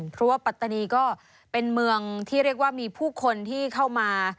เพราะว่าปัตตานีก็เป็นเมืองที่เรียกว่ามีผู้คนที่เข้ามา